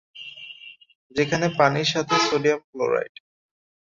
যেখানে পানির সাথে সোডিয়াম ক্লোরাইড।